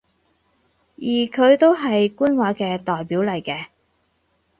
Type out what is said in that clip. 而佢都係官話嘅代表嚟嘅